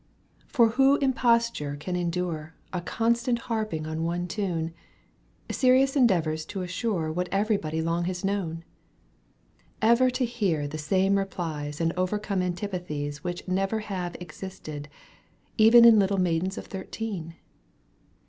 IL For who impoature can endnre, A constant harping on one tune, Serious endeavours to assure What everybody long has known ; Ever to hear the same replies And overcome antipathies Which never have existed, e'en In little maidens of thirteen